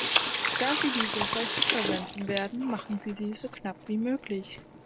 Da Sie diese häufig verwenden werden, machen Sie sie so knapp wie möglich.